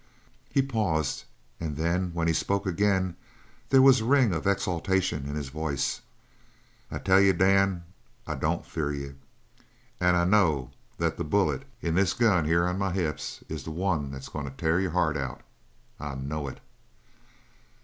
He paused, and then when he spoke again there was a ring of exultation in his voice: "I tell you, Dan, I don't fear you, and I know that the bullet in this gun here on my hips is the one that's goin' to tear your heart out. I know it!"